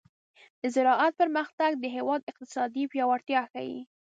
د زراعت پرمختګ د هېواد اقتصادي پیاوړتیا ښيي.